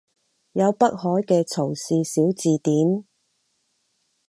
有北海嘅曹氏小字典